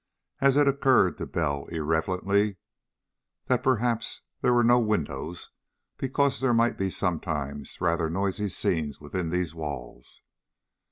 And it occurred to Bell irrelevantly that perhaps there were no windows because there might be sometimes rather noisy scenes within these walls.